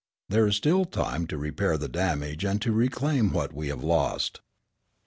There is still time to repair the damage and to reclaim what we have lost.